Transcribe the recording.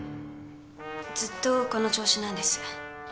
ずっとこの調子なんです。